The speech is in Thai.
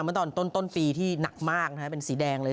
เมื่อตอนต้นปีที่หนักมากนะฮะเป็นสีแดงเลย